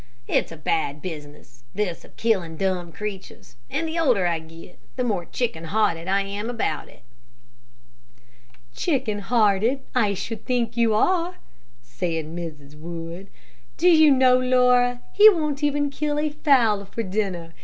It's a bad business this of killing dumb creatures, and the older I get, the more chicken hearted I am about it." "Chicken hearted I should think you are," said Mrs. Wood. "Do you know, Laura, he won't even kill a fowl for dinner.